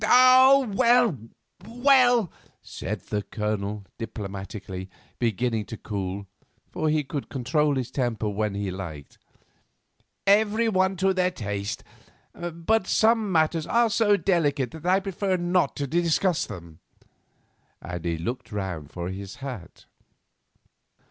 "Oh, well, well," said the Colonel, diplomatically beginning to cool, for he could control his temper when he liked. "Everyone to their taste; but some matters are so delicate that I prefer not to discuss them," and he looked round for his hat.